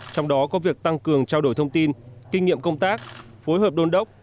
trong đó có việc tăng cường trao đổi thông tin kinh nghiệm công tác phối hợp đôn đốc